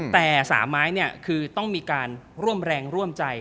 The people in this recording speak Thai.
แต่๓ไม้คือต้องมีการร่วมแรงร่วมใจ